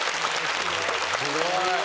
すごい。